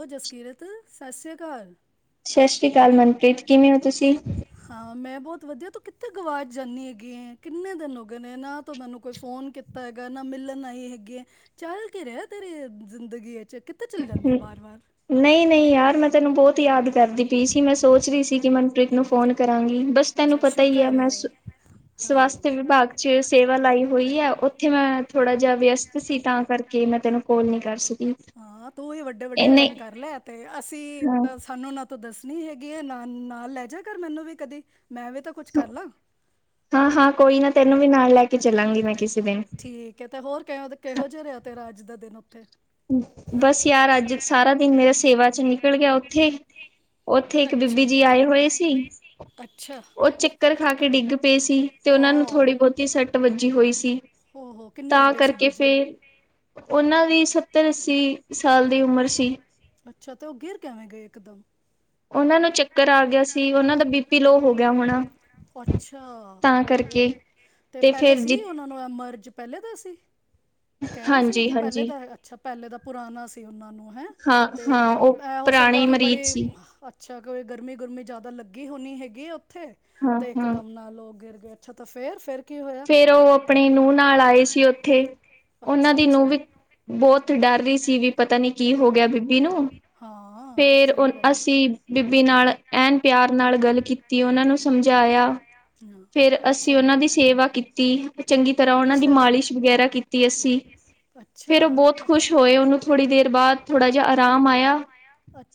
ਉਹ ਜਸਕੀਰਤ ਸਤਿ ਸ੍ਰੀ ਅਕਾਲ, ਸਤਿ ਸ੍ਰੀ ਅਕਾਲ ਮਨਪ੍ਰੀਤ, ਕਿਵੇਂ ਹੋ ਤੁਸੀਂ, ਹਾਂ ਮੈਂ ਬਹੁਤ ਵਧੀਆ, ਤੂੰ ਕਿੱਥੇ ਗਵਾਚ ਜਾਂਦੀ ਹੈਗੀ ਏ, ਕਿੰਨੇ ਦਿਨ ਹੋ ਗਏ ਨੇ, ਨਾ ਤੂੰ ਮੈਨੂੰ ਕੋਈ ਫੋਨ ਕੀਤਾ ਹੈਗਾ, ਨਾ ਮਿਲਣ ਆਈ ਹੈਗੀ ਏ, ਚੱਲ ਕੀ ਰਿਹਾ ਤੇਰੀ ਜ਼ਿੰਦਗੀ ਵਿੱਚ। ਕਿੱਥੇ ਚਲ ਜਾਨੀ ਏ ਬਾਹਰ। ਨਹੀਂ ਨਹੀਂ ਯਾਰ ਮੈਂ ਤੈਨੂੰ ਬਹੁਤ ਯਾਦ ਕਰਦੀ ਪਈ ਸੀ, ਮੈਂ ਸੋਚ ਰਹੀ ਸੀ ਕਿ ਮਨਪ੍ਰੀਤ ਨੂੰ ਫੋਨ ਕਰਾਂਗੀ। ਬਸ ਤੈਨੂੰ ਅੱਛਾ ਪਤਾ ਹੀ ਹੈ, ਸ਼ੁਕਰ ਮੈਂ ਹਾਂ ਸਵਾਸਥ ਵਿਭਾਗ ਚ ਸੇਵਾ ਲਾਈ ਹੋਈ ਹੈ, ਉੱਥੇ ਮੈਂ ਥੋੜ੍ਹਾ ਜਿਹਾ ਵਿਅਸਤ ਸੀ, ਤਾਂ ਕਰਕੇ ਮੈਂ ਤੈਨੂੰ ਕੋਲ ਨੀ ਕਰ ਸਕੀ। ਉਹੀ ਵੱਡੇ ਇਹ ਵੱਡੇ ਨਹੀਂ ਕੰਮ ਕਰ ਲੈ ਤੇ ਅਸੀਂ ਹਾਂ ਤਾਂ ਸਾਨੂੰ ਨਾ ਤੂੰ ਦੱਸਣੀ ਹੈਗੀ ਹੈ, ਨਾਲ ਨਾਲ ਲੈ ਜਾਇਆ ਕਰ ਮੈਨੂੰ ਵੀ ਕਦੀ। ਮੈਂ ਵੀ ਤਾਂ ਕੁਛ ਕਰ ਲਾ, ਹਾਂ ਹਾਂ ਕੋਈ ਨਾ ਤੈਨੂੰ ਵੀ ਲੈ ਕੇ ਚੱਲਾਂਗੀ ਮੈ ਕਿਸੇ ਦਿਨ, ਠੀਕ ਆ ਤੇ ਹੋਰ ਕਿਹੋ ਜਿਹਾ ਰਿਹਾ ਤੇਰਾ ਅੱਜ ਦਾ ਦਿਨ। ਤੈਨੂੰ ਉੱਥੇ ਬਸ ਯਾਰ ਅੱਜ ਸਾਰਾ ਦਿਨ ਮੇਰੇ ਸੇਵਾ ਚ ਨਿਕਲ ਗਿਆ ਉੱਥੇ, ਉੱਥੇ ਇੱਕ ਅੱਛਾ ਬੀਬੀ ਜੀ ਆਏ ਹੋਏ ਸੀ। ਅੱਛਾ ਉਹ ਚੱਕਰ ਖਾ ਕੇ ਡਿੱਗ ਪਏ ਸੀ, ਤੇ ਉਹਨਾਂ ਨੂੰ ਹਾਂ ਥੋੜ੍ਹੀ ਬਹੁਤੀ ਸੱਟ ਵੱਜੀ ਹੋਈ ਸੀ ਹੋ ਹੋ ਕਿੰਨੇ ਤਾਂ ਵੱਡੇ ਸੀ ਕਰਕੇ ਬੀਜੀ ਫਿਰ ਉਹਨਾਂ ਦੀ ਸੱਤਰ ਅੱਸੀ ਸਾਲ ਦੀ ਉਮਰ ਸੀ। ਅੱਛਾ ਤੇ ਉਹ ਗਿਰ ਕਿਵੇਂ ਗਏ ਇੱਕਦਮ? ਉਹਨਾਂ ਨੂੰ ਚ ਉਹਨਾਂ ਨੂੰ ਚੱਕਰ ਆ ਗਿਆ ਸੀ, ਉਹਨਾਂ ਦਾ ਬੀਪੀ ਲੋ ਹੋ ਗਿਆ ਹੋਣਾ, ਅੱਛਾ ਓਹੋ, ਤਾਂ ਕਰਕੇ, ਤੇ ਪਹਿਲੇ ਫੇਰ ਸੀ ਜ ਉਹਨਾਂ ਨੂੰ ਇਹ ਪਹਿਲੇ ਦਾ ਸੀ। ਕਹਿ ਰਹੇ ਸੀ ਹਾਂਜੀ ਕਿ ਪਹਿਲੇ ਹਾਂਜੀ ਦਾ ਅੱਛਾ, ਪਹਿਲੇ ਦਾ ਪੁਰਾਣਾ ਸੀ ਉਹਨਾਂ ਨੂੰ ਹੈਂ ਹਾਂ ਤੇ, ਹਾਂ ਉਹ ਇਹ ਹੋ ਸਕਦਾ ਪੁਰਾਣੇ ਕਿ ਮਰੀਜ਼ ਸੀ ਬੜੀ- ਅੱਛਾ, ਕੋਈ- ਗਰਮੀ ਗੁਰਮੀ ਜ਼ਿਆਦਾ ਲੱਗੀ ਹੋਣੀ ਹੈਗੀ, ਇੱਥੇ ਹਾਂ ਤੇ ਹਾਂ ਇਕਦਮ ਨਾਲ ਉਹ ਗਿਰ ਗਏ। ਅੱਛਾ, ਤਾਂ ਫਿਰ ਫਿਰ- ਫੇਰ ਉਹ ਆਪਣੇ ਨੂੰਹ ਨਾਲ ਆਏ ਸੀ ਉੱਥੇ ਉਹਨਾਂ ਅੱਛਾ ਦੀ ਅੱਛਾ ਨੂੰਹ ਵੀ ਬਹੁਤ ਡਰ- ਰੀ ਸੀ ਵੀ। ਪਤਾ ਨੀ ਕੀ ਹੋ ਗਿਆ ਬੀਬੀ ਨੂੰ, ਹਾਂ ਫੇਰ ਸਹੀ ਗੱਲ ਉਹ ਹੈ ਅਸੀਂ ਬੀਬੀ ਨਾਲ- ਐਨ ਪਿਆਰ ਨਾਲ ਗੱਲ ਕੀਤੀ, ਉਹਨਾਂ ਨੂੰ ਸਮਝਾਇਆ। ਹਾਂ, ਫੇਰ ਅਸੀਂ ਅੱਛਾ ਉਹਨਾਂ ਦੀ ਸੇਵਾ- ਕੀਤੀ ਚੰਗੀ ਤਰ੍ਹਾਂ ਉਹਨਾਂ ਦੀ ਅੱਛਾ ਮਾਲਿਸ਼ ਵਗੈਰਾ ਕੀਤੀ ਅਸੀਂ। ਫੇ ਰ ਉਹ ਬਹੁਤ ਅੱਛਾ ਖੁਸ਼ ਹੋਏ, ਉਹਨੂੰ ਥੋੜੀ ਦੇਰ ਬਾਅਦ ਥੋੜਾ ਜਿਹਾ ਆਰਾਮ ਆਇਆ,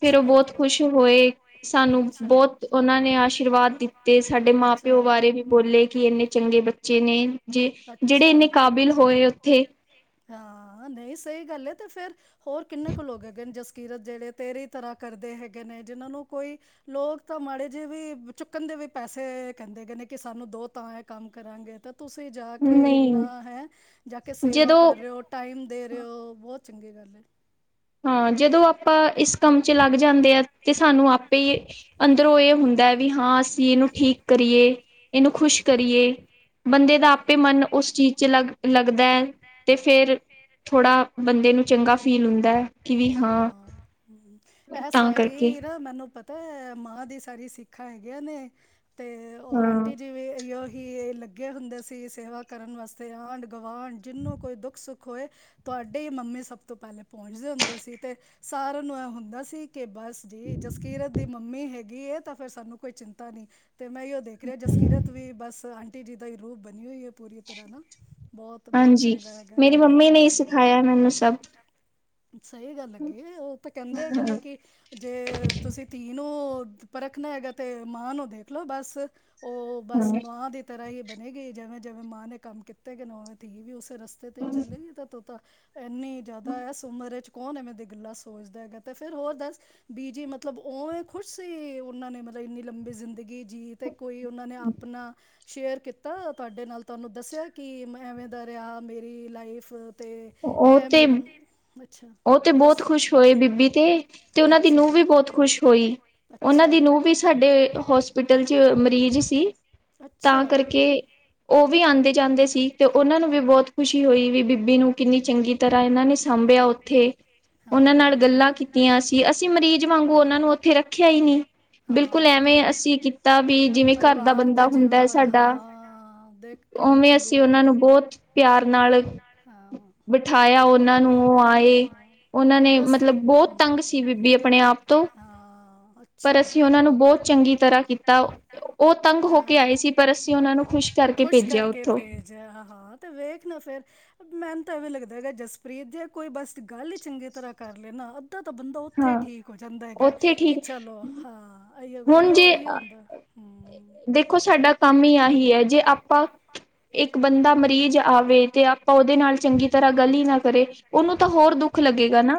ਫੇਰ ਉਹ ਬਹੁਤ ਖੁਸ਼ ਹੋਏ ਸਾਨੂੰ ਅੱਛਾ ਬਹੁਤ ਉਹਨਾਂ ਨੇ ਆਸ਼ੀਰਵਾਦ ਦਿੱਤੇ। ਸਾਡੇ ਮ- ਪਿਓ ਅੱਛਾ ਬਾਰੇ ਵੀ ਬੋਲੇ ਕਿ ਇੰਨੇ ਚੰਗੇ ਬੱ ਨੇ ਜੇ ਜਿਹੜੇ ਅੱਛਾ ਇੰਨੇ ਕਾਬਿਲ ਹੋਏ ਉੱਥੇ। ਹਾਂ, ਨਹੀਂ ਸਹੀ ਗੱਲ ਹੈ ਤੇ ਫੇਰ- ਹੋਰ ਕਿੰਨੇ ਕੁ ਲੋਕ ਹੈਗੇ ਨੇ ਜਸ- ਕੀਰਤ ਜਿਹੜੇ ਤੇਰੀ ਤਰ੍ਹਾਂ ਕਰਦੇ ਹੈਗੇ ਨੇ ਜਿਹਨਾਂ ਨੂੰ, ਕੋਈ ਲੋਕ ਤਾਂ ਮਾੜੇ ਜਿਹੇ ਵੀ ਚੁੱਕਣ ਦੇ ਵੀ ਪੈਸੇ- ਕਹਿੰਦੇ ਹੈਗੇ ਨੇ ਕਿ ਸਾਨੂੰ ਦਿਓ, ਤਾਂ ਇਹ ਕੰਮ ਕਰਾਂਗੇ, ਤਾਂ ਤੁਸੀਂ ਜਾ ਕੇ ਇੰਨਾ ਨਹੀਂ ਹੈ ਜਾ ਕੇ ਸੇਵਾ ਜਦੋਂ ਕਰ ਰਹੇ ਹੋ, ਟਾਈਮ ਦੇ ਰਹੇ ਹੋ। ਬਹੁਤ- ਚੰਗੀ ਗੱਲ ਹੈ। ਹਾਂ, ਜਦੋਂ ਆਪਾਂ ਇਸ ਕੰਮ ਚ ਲੱਗ ਜਾਂਦੇ ਆ ਤੇ ਸਾਨੂੰ ਆਪ- ਅੰਦਰੋਂ ਇਹ ਹੁੰਦਾ ਹੈ ਵੀ ਹਾਂ। ਅਸੀਂ ਇਹਨੂੰ ਠੀਕ ਕਰੀਏ। ਇਹਨੂੰ ਖੁਸ਼ ਕਰੀਏ। ਬੰਦੇ ਦਾ ਆਪ- ਪੇ ਮਨ ਉਸ ਚੀਜ਼ ਚ ਲੱਗ-ਲੱਗਦਾ ਤੇ ਫੇਰ ਥੋੜਾ ਬੰਦੇ ਨੂੰ ਚੰਗਾ ਫੀਲ ਹੁੰਦਾ ਹੈ। ਹਾਂ, ਇਹ ਤਾਂ ਕਰਕੇ ਸਾਰੀ ਨਾ ਮੈਨੂੰ ਪਤਾ- ਤੇ ਮਾਂ ਦੀ ਸਾਰੀ ਸਿੱਖਿਆ ਹੈਗੀਆਂ ਨੇ। ਤੇ ਹਾਂ ਆਂਟੀ ਜੀ ਵੀ ਇਹੀਓ- ਕਿ ਇਹ ਲੱਗੇ ਹੁੰਦੇ ਸੀ ਸੇਵਾ ਕਰਨ ਵਾਸਤੇ ਆਂਢ- -ਗੁਆਂਢ ਜਿਨੂੰ ਕੋਈ ਦੁੱਖ-ਸੁੱਖ ਹੋਏ ਤੁਹਾਡੀ ਮੰਮੀ ਸਭ ਤੋਂ- ਤੋਂ ਪਹਿਲੇ ਪਹੁੰਚਦੇ ਹੁੰਦੇ ਸੀ ਤੇ ਸਾਰਿਆਂ ਨੂੰ ਇਹ ਹੁੰਦਾ ਸੀ, ਕੇ ਬਸ ਜੀ ਜਸਕੀਰਤ ਦੀ ਮੰਮੀ ਹੈਗੀ। ਹੈਗੀ ਤਾਂ ਫਿਰ ਸਾਨੂੰ ਕੋਈ ਚਿੰਤਾ ਨਹੀ। ਤੇ ਮੈਂ ਐਈਉ ਦੇਖ ਰਿਹਾ ਜਸਕੀਰਤ ਵੀ ਬਸ, ਤੀਜੀ ਦਾ ਰੂਪ ਬਣੀ ਹੋਈ ਹੈ ਪੂਰੀ ਤਰ੍ਹਾਂ ਹਨਾ। ਹਾਂਜੀ ਮੇਰੀ ਮੰਮੀ ਨੇ ਹੀ ਸਿਖਾਇਆ ਮੈਨੂੰ ਸਭ ਸਹੀ ਗੱਲ ਹੈੱਗੀ ਉਹ ਤਾਂ ਕਹਿੰਦੇ ਹੈਗੇ ਹਾਂ ਨੇ ਕਿ ਜੇ ਤੁਸੀਂ ਤੀਨ ਨੂੰ ਪਰਖਣਾ ਹੈਗਾ ਤੇ ਮਾਂ ਨੂੰ ਦੇਖਲੋ ਬਸ ਉਹ ਬਸ ਹਾਂ ਮਾਂ ਦੀ ਤਰ੍ਹਾਂ ਹੀ ਬ। ਜਵੇਂ ਜਵੇਂ ਮਾਂ ਨੇ ਕੰਮ ਕੀਤੇ ਨਵੇਂ ਤੀ ਵੀ। ਰਸਤੇ ਤੇ ਹੀ ਚੱਲੇਏ ਤਾਂ। ਤਾਂ ਇੰਨੀ ਜ਼ਿਆਦਾ ਇਸ ਉਮਰ ਵਿੱਚ ਕੌਣ ਐਵੇਂ ਦੀ ਗਲਾਂ ਸੋਚਦਾ ਹੈਗਾ ਅਤੇ ਫਿਰ ਹੋਰ ਦੱਸ ਬੀ ਜੀ ਮਤਲਬ ਉਵੇਂ ਖੁਸ਼ ਸੀ। ਉਹਨਾਂ ਨੇ ਮਤਲਬ ਇੰਨੀ ਲੰਬੀ ਜ਼ਿੰਦਗੀ ਜੀਅ ਅਤੇ ਕੋਈ ਉਹਨਾਂ ਨੇ ਆਪਣਾ ਸ਼ੇਅਰ ਕੀਤਾ ਤੁਹਾਡੇ ਨਾਲ ਤੁਹਾਨੂੰ ਦੱਸਿਆ ਕਿ ਮੈਂ ਐਵੇਂ ਦਾ ਰਿਹਾ ਮੇਰੀ ਲਾਈਫ ਤੇ ਐ। ਉਹ ਤੇ ਉਹ ਤੇ ਬਹੁਤ ਖ਼ੁਸ਼ ਹੋਏ ਬੀਬੀ ਤੇ ਤੇ ਉਹਨਾਂ ਦੀ ਅੱਛਾ ਨੂੰਹ ਵੀ ਬਹੁਤ ਖੁਸ਼ ਹੋਈ। ਉਹਨਾਂ ਅੱਛਾ ਦੀ ਨੂੰਹ ਵੀ ਸਾਡੇ ਹੋਸਪਿਟਲ ਚ ਮਰੀਜ਼ ਸੀ। ਅੱਛਾ ਤਾਂ ਕਰਕੇ ਉਹ ਵੀ ਆਉਂਦੇ। ਜਾਂਦੇ ਸੀ ਤੇ ਉਹਨਾਂ ਨੂੰ ਵੀ ਬਹੁਤ ਖੁਸ਼ੀ ਹੋਈ ਵੀ ਬੀਬੀ ਨੂੰ ਕਿੰਨੀ ਚੰਗੀ ਤਰ੍ਹਾਂ ਇਹਨਾਂ ਨੇ ਸਾਂਭਿਆ। ਉੱਥੇ। ਉਹਨਾਂ ਨਾਲ ਹਾਂ ਗੱਲਾਂ ਕੀਤੀਆਂ ਸੀ। ਅਸੀਂ ਮਰੀਜ਼ ਵਾਂਗੂ ਉਹਨਾਂ ਨੂੰ ਉੱਥੇ ਰੱਖਿਆ ਹੀ ਨਹੀਂ। ਬਿਲਕੁਲ ਹਾਂ ਐਵੇਂ ਅਸੀਂ ਕੀਤਾ ਵੀ ਜਿਵੇਂ ਘਰ ਦਾ ਪਰਿਵਾਰ ਬੰਦਾ ਹੁੰਦਾ ਜਿਵੇਂ ਹੈ ਹੋਇਆ ਸਾਡਾ ਹਾਂ ਦੇਖ ਕਿੰਨੀ ਉਵੇਂ ਚੰਗੀ ਅਸੀਂ ਗੱਲ ਉਹਨਾਂ ਨੂੰ ਹੈਗੀ ਬਹੁਤ ਪਿਆਰ ਹਾਂ ਨਾਲ ਹਾਂ ਬਿਠਾਇਆ ਉਹਨਾਂ ਨੂੰ ਉਹ ਆਏ ਉਹਨਾਂ ਤਾਂ ਨੇ ਦੱਸ ਮਤਲਬ ਬਹੁਤ ਹਮ, ਤੰਗ ਸੀ ਬੀਬੀ ਆਪਣੇ ਆਪ ਤੋਂ ਹਾਂ ਪਰ ਅੱਛਾ ਅਸੀਂ ਉਹਨਾਂ ਨੂੰ ਬਹੁਤ ਚੰਗੀ ਤਰ੍ਹਾਂ ਕੀਤਾ ਉਹ ਤੰਗ ਹੋ ਕੇ ਤਾਂ ਆਏ ਸੀ ਪਰ ਅਸੀਂ ਉਹਨਾਂ ਨੂੰ ਖੁਸ਼ ਕਰਕੇ ਭੇਜਿਆ ਕਰਕੇ ਉੱਥੋ ਭੇਜ ਮੈਹਨੂੰ ਤਾਂ ਐਵੇਂ ਲੱਗਦਾ ਹੈਗਾ ਜਸਪ੍ਰੀਤ ਜ ਕੋਈ ਬਸ ਗੱਲ ਹੀ ਚੰਗੀ। ਤਰ੍ਹਾਂ ਕਰ ਲੈਣਾ। ਉੱਧ ਤਾਂ ਬੰਦਾ ਉੱਥੇ ਹਾਂ ਠੀਕ ਹੋ ਜਾਂਦਾ ਹੈਗਾ ਉੱਥੇ ਕਿ ਠੀਕ ਚਲੋ ਹਾਂ। ਅਈਓ ਹੁਣ ਅਈਓ ਜੇ ਅਈਓ ਹੁੰਦਾ ਹੂੰ ਦੇਖੋ ਸਾਡਾ ਕੰਮ ਹੀ ਆਹੀ ਹੈ ਜੇ ਆਪਾਂ ਇੱਕ ਬੰਦਾ ਮਰੀਜ਼ ਆਵੇ ਤੇ ਆਪਾਂ ਉਹਦੇ ਨਾਲ ਚੰਗੀ ਤਰ੍ਹਾਂ ਗੱਲ ਹੀ ਨਾ ਕਰੇ ਉਹਨੂੰ ਤਾਂ ਹੋਰ ਦੁੱਖ ਲੱਗੇਗਾ ਨਾ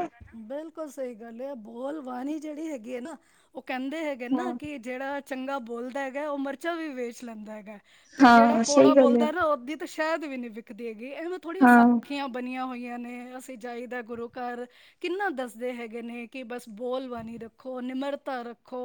ਬਿਲਕੁਲ ਸਹੀ ਗੱਲ ਬੋਲ। ਪਾਣੀ ਜਿਹੜੀ ਹੈਗੀ ਆ ਨਾ ਉਹ ਕਹਿੰਦੇ ਹੈਗੇ ਨਾ ਹਾਂ ਕਿ ਜਿਹੜਾ ਚੰਗਾ ਬੋਲਦਾ ਹੈਗਾ ਉਹ ਮਿਰਚਾਂ ਵੀ ਵੇਚ ਲੈਂਦਾ ਹੈਗਾ। ਤੇ ਜਿਹੜਾ ਹਾਂ ਕੋੜਾ ਸਹੀ ਗੱਲ ਹੈ ਬੋਲਦਾ ਨਾ ਉਹਦੀ ਸ਼ਾਇਦ ਵੀ ਨਹੀਂ ਵਿਕਦੀ ਹੈ। ਇਹਵੇੈਂ ਥੋੜੀਆਂ ਹਾਂ ਸਾਖੀਆਂ ਬਣੀਆਂ ਹੋਈਆਂ ਨੇ ਅਸੀਂ ਜਾਈਦਾ ਗੁਰੂ ਘਰ ਕਿੰਨਾ ਦੱਸਦੇ ਹੈਗੇ ਨੇ ਕਿ ਬਸ ਬੋਲਬਾਨੀ ਰੱਖੋ ਨਿਮਰਤਾ ਰੱਖੋ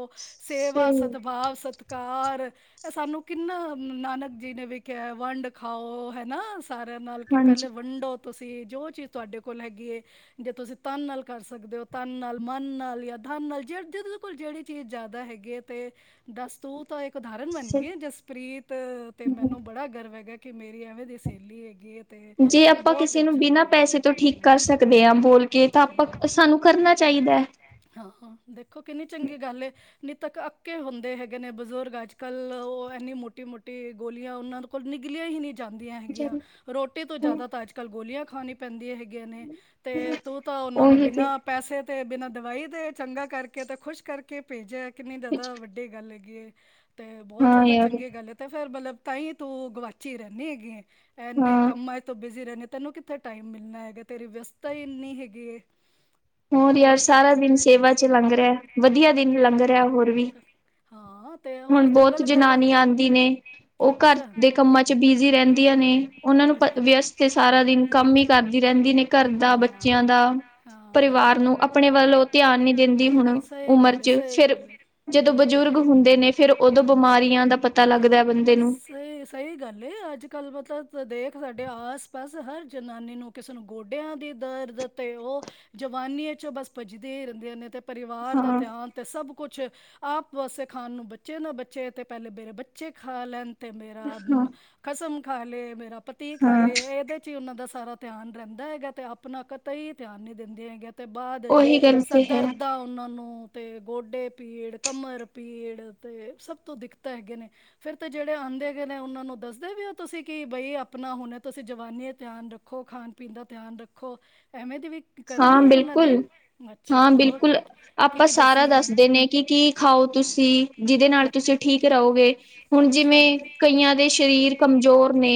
ਸੇਵਾ ਸਹੀ ਸਦਭਾਵ ਸਤਿ ਕਾਰ ਇਹ ਸਾਨੂੰ ਕਿੰਨਾ ਨਾਨਕ ਜੀ ਨੇ ਵੇਖਿਆ ਵੰਡ ਖਾਓ ਹੈ ਨਾ ਸਾਰਿਆਂ ਨਾਲ ਕਿ ਹਾਂਜੀ ਪਹਿਲੇ ਵੰਡੋ ਤੁਸੀਂ ਜੋ ਚੀਜ਼ ਤੁਹਾਡੇ ਕੋਲ ਹੈਗੀ ਹੈ ਜੇ ਤੁਸੀਂ ਤਨ ਨਾਲ ਕਰ ਸਕਦੇ ਹੋ ਤਨ ਨਾਲ ਮਨ ਨਾਲ ਜਾਂ ਧਨ ਨਾਲ ਜ ਜਿਹਦੇ ਕੋਲ ਜਿਹੜੀ ਚੀਜ਼ ਜ਼ਿਆਦਾ ਹੈਗੀ ਹੈ ਤੇ ਦਸਤੂ ਤਾਂ ਏ ਉਦਾਹਰਨ ਬਣ ਗਈ ਸ ਏ ਜਸਪ੍ਰੀਤ ਤੇ ਮੈਨੂੰ ਬੜਾ ਗਰਵ ਹੈਗਾ ਕਿ ਮੇਰੀ ਐਵੇਂ ਦੀ ਸਹੇਲੀ ਹੈਗੀ ਏ ਜੇ ਆਪਾਂ ਬਹੁਤ ਕਿਸੇ ਹੀ ਨੂੰ ਅਛਾ ਬਿਨਾਂ ਲਗਿਆ, ਪੈਸੇ ਤੋਂ ਠੀਕ ਕਰ ਸਕਦੇ ਹਾਂ ਬੋਲ ਕੇ ਤਾਂ ਆਪਾਂ ਸਾਨੂੰ ਕਰਨਾ ਚਾਹੀਦਾ ਹਾਂ-ਹਾਂ ਦੇਖੋ ਕਿੰਨੀ ਚੰਗੀ ਗੱਲ ਆ ਨਿਤੱਕ ਅੱਕੇ ਹੁੰਦੇ ਹੈਗੇ ਨੇ ਬਜ਼ੁਰਗ ਅੱਜ ਕੱਲ੍ਹ ਉਹ ਐੰਨੀ ਮੋਟੀ-ਮੋਟੀ ਗੋਲੀਆਂ ਉਹਨਾਂ ਕੋਲ ਨਹੀ ਹਿਲਯਾ ਹੀ ਨੀ ਜਾਂਦੀਆਂ ਹੈਗੀਆਂ ਹੈ। ਰੋਟੀ ਤੋਂ ਜ਼ਿਆਦਾ ਤਾਂ ਅੱਜ ਕੱਲ੍ਹ ਗੋਲੀਆਂ ਖਾਉਣੀ ਪੈਂਦੀ ਹੈਗੀ ਨੇ ਤੇ ਤੂੰ ਤਾਂ ਉਹਨਾਂ ਨੂੰ ਉਹੀ ਤੇ ਬਿਨਾਂ ਪੈਸੇ ਤੇ ਬਿਨਾਂ ਦਵਾਈ ਦੇ ਚੰਗਾ ਕਰਕੇ ਤੇ ਖੁਸ਼ ਕਰਕੇ ਭੇਜਿਆ ਕਿੰਨੀ ਜਿਆਦਾ ਵੱਡੀ ਗੱਲ ਹੈ ਗਏ। ਤੇ ਬਹੁਤ ਹਾਂ ਜ਼ਿਆਦਾ ਯਾਰ ਚੰਗੇ ਗੱਲ ਹੈ ਅਤੇ ਫਿਰ ਮਤਲਬ ਤਾਂਈ ਤੂੰ ਗਵਾਚੀ ਰੈਨੀ ਹੈਗੀ ਏਂ ਐਨੇ ਹਾਂ ਕਮਾ ਤੋਂ ਬੀਜੀ ਰਹਿਨੇ ਤੈਨੂੰ ਕਿੱਥੇ ਟਾਈਮ ਮਿਲਣਾ ਹੈਗਾ ਤੇਰੀ ਵਿਅਸਤਾ ਹੀ ਇੰਨੀ ਹੈਗੀ ਏ ਹੋਰ ਯਾਰ ਬਹੁਤ ਸਾਰਾ ਦਿਨ ਸੇਵਾ ਚ ਲੰਘ ਰਿਹਾ ਵਧੀਆ ਦਿਨ ਲੰਘ ਰਿਹਾ ਹੋਰ ਵੀ ਹਾਂ ਤੇ ਹੋਰ ਹੁਣ ਚੰਗਾ ਬਹੁਤ ਲੱਗਦਾ ਜਨਾਨੀਆਂ ਆਦੀ ਨੇ ਉਹ ਘਰ ਅੱਛਾ ਦੇ ਕੰਮਾਂ ਚ ਬਿਜ਼ੀ ਰਹਿੰਦੀਆਂ ਨੇ ਉਹਨਾਂ ਨੂੰ ਪ ਵਿਅਸਤ ਤੇ ਸਾਰਾ ਦਿਨ ਕੰਮ ਹੀ ਕਰਦੀ ਰਹਿੰਦੀ ਨੇ ਘਰ ਦਾ ਬੱਚਿਆਂ ਦਾ ਪਰਿਵਾਰ ਨੂੰ ਆਪਣੇ ਵੱਲ ਉਹ ਧਿਆਨ ਨਹੀਂ ਦਿੰਦੀ ਹੁਣ ਸਹੀ ਉਮਰ ਗੱਲ ਹੈ ਚ ਸਹੀ ਫਿਰ ਗੱਲ ਜਦੋਂ ਬਜ਼ੁਰਗ ਹੁੰਦੇ ਨੇ ਫਿਰ ਉਦੋਂ ਬਿਮਾਰੀਆਂ ਦਾ ਪਤਾ ਲੱਗਦਾ ਹੈ ਬੰਦੇ ਨੂੰ ਸਹੀ ਸਹੀ ਗੱਲ ਅੱਜ ਕੱਲ੍ਹ ਮਤਲਬ ਦੇਖ ਸਾਡੇ ਆਸ ਪਾਸ ਹਰ ਜਨਾਨੀ ਨੂੰ ਕਿਸੇ ਨੂੰ ਗੋਡਿਆਂ ਦੀ ਦਰਦ ਤੇ ਉਹ ਜਵਾਨੀ ਚੋਂ ਬਸ ਭੱਜਦੀਆਂ ਹੀ ਰਹਿੰਦੀਆਂ ਨੇ ਤੇ ਪਰਿਵਾਰ ਦਾ ਹਾਂ ਧਿਆਨ ਤੇ ਸਭ ਕੁਛ ਆਪ ਵਾਸੇ ਖਾਣ ਨੂੰ ਬੱਚੇ ਨਾ ਬਚੇ ਤੇ ਪਹਿਲੇ ਮੇਰੇ ਬੱਚੇ ਖਾ ਲੈਣ ਤੇ ਖਸਮ ਖਾ ਲੇ ਮੇਰਾ ਪਤੀਰ ਹਾਂ ਖਾਦੇ ਇਹਦੇ ਚ ਹੀ ਉਹਨਾਂ ਦਾ ਸੁ ਸਾਰਾ ਧਿਆਨ ਰਹਿੰਦਾ ਹੈਗਾ ਤੇ ਆਪਣਾ ਕਤੇ ਹੀ ਧਿਆਨ ਨਹੀ ਦਿੰਦੇ ਹੈਗੀ ਆਂ। ਅਤੇ ਬਾਅਦ ਉਹੀ ਗੱਲ ' ਤੇ ਹੈ ਸਦਰਰ ਦਾ ਉਹਨਾਂ ਨੂੰ ਤੇ ਗੋਡੇ ਪੀੜ ਕਮਰ ਪੀੜ ਤੇ ਸਭ ਤੋਂ ਦਿੱਕਤਾਂ ਹੈਗੇ ਨੇ ਫੇਰ ਤੇ ਜਿਹੜੇ ਆਦੇ ਉਹਨਾਂ ਨੂੰ ਦੱਸਦੇ ਵੀ ਹੋ ਤੁਸੀਂ ਕਿ ਬਈ ਆਪਣਾ ਹੁਣ ਤੁਸੀਂ ਜਵਾਨੀ ਧਿਆਨ ਰੱਖੋ ਖਾਣ ਪੀਣ ਦਾ ਧਿਆਨ ਰੱਖੋ ਐਵੇਂ। ਦੀ ਵੀ ਹਾਂ ਕਰਨੀ ਹੈ ਉਹਨਾਂ ਦੀ ਬਿਲਕੁਲ ਅੱਛਾ ਹਾਂ ਹੋਰ ਬਿਲਕੁਲ ਕੀ ਆਪਾਂ ਕੀ ਸਾਰਾ ਦੱਸਣੀ ਹੈ ਦੱਸਦੇ ਨੇ ਕਿ ਕੀ ਖਾਓ ਤੁਸੀਂ ਜਿਹਦੇ ਨਾਲ ਤੁਸੀਂ ਠੀਕ ਰਹੋਗੇ ਅੱਛ- ਹੁਣ ਅੱਛਾ ਜਿਵੇਂ ਕਈਆਂ ਦੇ ਸਰੀਰ ਕਮਜ਼ੋਰ ਨੇ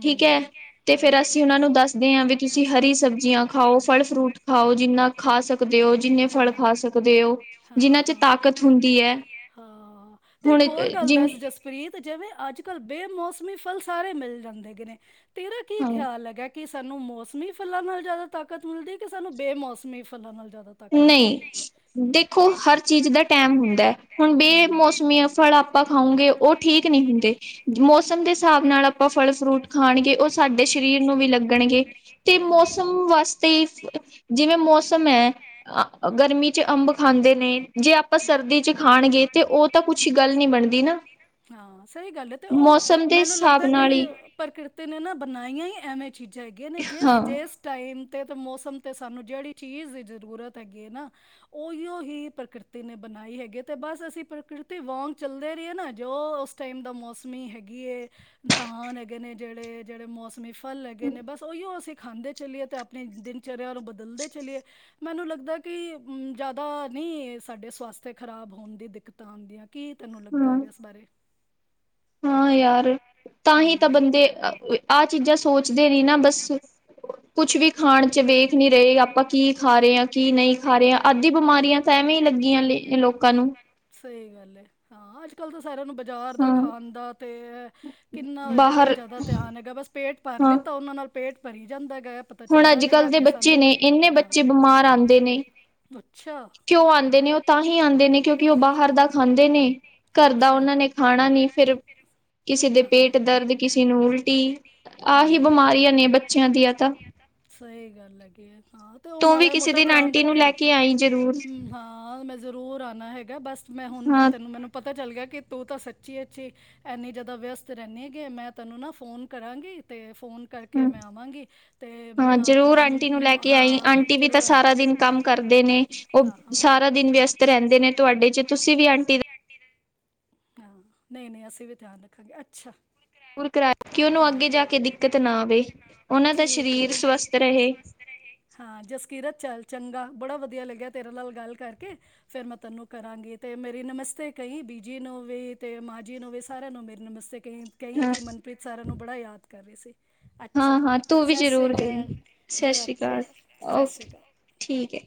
ਠੀਕ ਹੈ ਤੇ ਹੂੰ ਫੇਰ ਅਸੀਂ ਉਹਨਾ ਨੂੰ ਦੱਸਦੇ ਹਾਂ ਵੀ ਤੁਸੀਂ ਹਰੀ ਸਬਜ਼ੀਆਂ ਖਾਓ। ਫਲ ਫਰੂਟ ਖਾਓ ਜਿੰਨਾ ਖਾ ਸਕਦੇ ਹੋ ਜਿੰਨੇ ਫਲ ਹਾਂ ਖਾ ਸਕਦੇ ਹੋ ਹਾਂ ਜਿੰਹਨਾਂ ਚ ਹਾਂ ਤਾਕਤ ਹੁੰਦੀ ਹੈ ਹਾਂ ਤੇ ਇੱਕ ਹੁਣ ਹੋਰ ਗੱਲ ਦੱਸ ਜਿਵੇਂ ਜਸਪ੍ਰੀਤ ਜਿਵੇਂ ਅੱਜ ਬੇਮੋਸਮੀ ਫਲ ਸਾਰੇ ਮਿਲ ਜਾਂਦੇ ਹੇਗੇ ਨੇ ਤੇਰਾ ਕੀ ਹਾਂ ਖਿਆਲ ਹੈਗਾ? ਕਿ ਸਾਨੂੰ ਮੌਸਮੀ ਫਲਾਂ ਨਾਲ ਜ਼ਿਆਦਾ ਤਾਕਤ ਮਿਲਦੀ ਕਿ ਸਾਨੂੰ ਬੇਮੌਸਮੀ ਫਲਾਂ ਨਾਲ ਜ਼ਿਆਦਾ ਤਾਕਤ ਮਿਲਦੀ ਨਹੀਂ ਹੈ ਹੂੰ ਦੇਖੋ ਹਰ ਚੀਜ਼ ਦਾ ਟਾਈਮ ਹੁੰਦਾ ਹੁਣ ਹੂੰ। ਬੇਮੋਸਮੀ ਫਲ ਆਪਾਂ ਖਾਉਂਗੇ ਉਹ ਠੀਕ ਨਹੀਂ ਹੁੰਦੇ। ਮੌਸਮ ਦੇ ਹਿਸਾਬ ਨਾਲ ਆਪਾਂ ਫਲ ਫਰੂਟ ਖਾਣਗੇ ਉਹ ਸਾਡੇ ਸਰੀਰ ਨੂੰ ਵੀ ਲੱਗਣਗੇ ਤੇ ਹੂੰ ਮੌਸਮ ਵਾਸਤੇ ਜਿਵੇਂ ਮੌਸਮ ਏ। ਅ ਗਰਮੀ ਚ ਅੰਬ ਖਾਂਦੇ ਨੇ ਜੇ ਆਪਾਂ ਸਰਦੀ ਚ ਖਾਣਗੇ ਤੇ ਉਹ ਤਾਂ ਕੁਛ ਗੱਲ ਨੀ ਬਣਦੀ ਨਾ ਹਾਂ ਸਹੀ ਗੱਲ ਹੈ ਤੇ ਉਹ ਮੌਸਮ ਦੇ ਮੈਨੂੰ ਹਿਸਾਬ ਲੱਗਦਾ ਕਿ ਨਾਲ ਹੀ ਪ੍ਰਕਿਰਤੀ ਨੇ ਨਾ ਬਣਾਈਆਂ ਹੀ ਐਵੇਂ। ਹੈਗੇ ਨੇ ਹਾਂ ਜਿਸ-ਜਿਸ ਟਾਈਮ ਤੇ ਮੌਸਮ ਤੇ ਸਾਨੂੰ ਜਿਹੜੀ ਚੀਜ਼ ਦੀ ਜ਼ਰੂਰਤ ਹੈਗੀ ਹੈ ਨਾ ਉਹੀਓ ਹੀ ਪ੍ਰਕਿਰਤੀ ਨੇ ਬਣਾਈ ਹੈਗੀ ਤੇ ਬਸ ਅਸੀਂ ਪ੍ਰਕਿਰਤੀ ਵਾਂਗ ਚੱਲਦੇ ਰਹੀਏ ਨਾ ਜੋ ਉਸ ਟਾਈਮ ਦਾ ਮੌਸਮ ਸ ਹੈਗੀ ਏ ਧਾਨ ਹੈਗੇ ਨੇ ਜਿਹੜੇ ਜਿਹੜੇ ਮੌਸਮ ਫਲ ਲੱਗੇ ਨੇ ਬਸ ਉਹੀਓ ਅਸੀਂ। ਖਾਂਦੇ ਚੱਲੀਏ ਅਤੇ ਆਪਣੀ ਦਿਨਚਰਿਆ ਨੂੰ ਬਦਲਦੇ ਚੱਲੀਏ। ਮੈਨੂੰ ਲੱਗਦਾ ਕਿ ਜ਼ਿਆਦਾ ਨਹੀਂ ਸਾਡੇ ਸਵਾਸਥ ਖ਼ਰਾਬ ਹੋਣ ਦੀ ਦਿੱਕਤਾਂ ਆਦੀਆਂ। ਕੀ ਤੈਨੂੰ ਲੱਗਦਾ ਹਾਂ ਹੈਗਾ ਇਸ ਬਾਰੇ? ਹਾਂ ਯਾਰ ਤਾਂ ਹੀ ਤਾਂ ਬੰਦੇ ਆਹ ਚੀਜ਼ਾਂ ਸੋਚਦੇ ਨੀ ਨਾ ਬਸ। ਕੁਛ ਵੀ ਖਾਣ ਚ ਵੇਖ ਨਹੀਂ ਰਹੇ ਆਪਾਂ ਕੀ ਖਾ ਰਹੇ ਹਾਂ ਕੀ ਨਹੀਂ ਖਾ ਰਹੇ ਹਾਂ ਅੱਦੀ ਬਿਮਾਰੀਆਂ ਤਾਂ ਐਵੇਂ ਹੀ ਲੱਗੀਆਂ ਲ ਲੋਕਾਂ ਨੂੰ ਸਹੀ ਗੱਲ ਹੈ ਹਾਂ ਅੱਜ ਕੱਲ੍ਹ ਤਾਂ ਸਾਰਿਆਂ ਨੂੰ ਬਾਜ਼ਾਰ ਦਾ ਹਾਂ ਖਾਣ ਦਾ ਤੇ ਕਿੰਨਾ ਇਹਦੇ ਤੇ ਬਾਹਰ ਜ਼ਿਆਦਾ ਧਿਆਨ ਹੈਗਾ ਬਸ ਪੇਟ ਭਰ ਹਾਂ ਲਿੱਤਾ ਉਹਨਾਂ ਨਾਲ ਪੇਟ ਭਰੀ ਜਾਂਦਾ ਗ। ਹੁਣ ਅੱਜ ਕੱਲ੍ਹ ਦੇ ਬੱਚੇ ਨੇ ਇੰਨੇ ਬੱਚੇ ਬਿਮਾਰ ਆਦੇ ਨੇ ਆਉਂਦੇ ਅੱਛਾ ਕਿਉ ਆਉਂਦੇ ਨੇ ਉਹ ਤਾਂ ਹੀ ਆਉਂਦੇ ਨੇ ਕਿਉਂਕਿ ਉਹ ਬਾਹਰ ਦਾ ਖਾਂਦੇ ਨੇ ਘਰ ਦਾ ਅੱਛਾ ਉਹਨਾਂ ਨੇ ਖਾਣਾ ਨਹੀਂ ਫਿਰ ਕਿਸੇ ਦੇ ਹਾਂ ਪੇਟ ਹਾਂ ਦਰਦ ਕਿਸੇ ਨੂੰ ਉਲਟੀ ਆਹੀ ਹੂੰ ਬਿਮਾਰੀਆਂ ਨੇ ਬੱਚਿਆਂ ਦੀਆਂ ਤਾਂ ਸਹੀ ਗੱਲ ਹੈਗੀ ਆ ਹਾਂ ਤੇ ਉਹ ਤੂੰ ਵੀ ਮਾੜਾ ਕਿਸੇ ਮੋਟਾ ਦਿਨ ਧਿਆਨ ਆਂਟੀ ਨੂੰ ਲੈ ਰੱਖਣ। ਕੇ ਆਈ ਜ਼ਰੂਰ ਹਾਂ ਮੈਂ ਜ਼ਰੂਰ ਆਨਾ ਹੈਗਾ। ਬਸ ਮੈਂ ਹੁੰਦਾ ਹਾਂ ਤੈਨੂੰ ਮੈਨੂੰ ਪਤ ਪਤਾ ਚੱਲ ਗਿਆ ਕਿ ਤੂੰ ਤਾਂ ਸੱਚੀ ਐੱਚ ਇੰਨੀ ਜ਼ਿਆਦਾ ਵਿਅਸਤ ਰਹਿਣੀ ਹੈ ਕਿ ਮੈਂ ਤੈਨੂੰ ਨਾ ਫੋਨ ਕਰਾਂਗੀ ਤੇ ਫ਼ੋਨ ਕਰਕੇ ਹ ਮੈਂ ਆਵਾਂਗੀ। ਤੇ ਹਾਂ ਮੈਂ ਜ਼ਰੂਰ ਆਪਣੀ ਆਂਟੀ ਨੂੰ ਮ- ਲੈ ਮ- ਕੇ ਆਈ ਹਾਂ ਆਂਟੀ ਵੀ ਜ਼ਰੂਰ ਤਾਂ ਆਉਣਾ। ਸਾਰਾ ਦਿਨ ਕੰਮ ਕਰਦੇ ਨੇ ਉਹ ਹਾਂ ਹਾਂ ਸਾਰਾ ਦਿਨ ਵਿਅਸਤ ਰਹਿੰਦੇ ਨੇ ਤੁਹਾਡੇ ਚ ਤੁਸੀਂ ਵੀ ਆਂਟੀ ਦਾ। ਹਾਂ ਨਹੀਂ ਨਹੀਂ ਅਸੀਂ ਵੀ ਧਿਆਨ ਰੱਖਾਂਗੇ, ਅੱਛਾ। ਦੂਰ ਕਰਾ ਕਿ ਉਹਨੂੰ ਹਾਂ ਅੱਗੇ ਜਾ ਕੇ ਦਿੱਕਤ ਨਾ ਆਵੇ ਉਹਨਾਂ ਦਾ ਠੀਕ ਹੈ ਸਰੀਰ ਸਵਸਥ ਰਹੇ। ਹਾਂ ਜਸਕੀਰਤ ਚੱਲ ਚੰਗਾ ਬੜਾ ਵਧੀਆ ਲੱਗਿਆ ਤੇਰੇ ਨਾਲ ਗੱਲ ਕਰਕੇ ਫੇਰ ਮੈਂ ਤੈਨੂੰ ਕਰਾਂਗੀ ਤੇ ਮੇਰੀ ਨਮਸਤੇ ਕਹੀ ਬੀਜੀ ਨੂੰ ਵੀ, ਤੇ ਮਾਂ ਜੀ ਨੂੰ ਵੀ, ਸਾਰਿਆਂ ਨੂੰ ਮੇਰੀ ਨਮਸਤੇ ਕਈ ਕਈ ਹਾਂ ਕਿ ਮਨਪ੍ਰੀਤ ਸਾਰਿਆਂ ਨੂੰ ਬੜਾ ਯਾਦ ਕਰ ਰਹੇ ਸੀ। ਅੱਛਾ ਹਾਂ ਹਾਂ ਤੂੰ ਵੀ ਸਤਿ ਸ਼੍ਰੀ ਜ਼ਰੂਰ ਦੇ ਅਕਾਲ [unintelligible] ਸਸਿ ਸ਼੍ਰੀ ਜੱਕੇ ਕਾਲ ਸਤਿ ਸ਼੍ਰੀ ਓਕੇ ਅਕਾਲ ਠੀਕ ਏ।